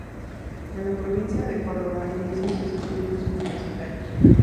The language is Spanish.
En la provincia de Córdoba inició sus estudios universitarios.